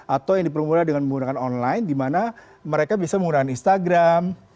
atau yang dipermudah dengan menggunakan online di mana mereka bisa menggunakan instagram